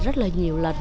rất là nhiều lần